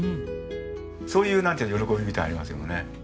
そういうなんていうか喜びみたいなのありますよね。